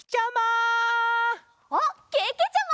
おっけけちゃま！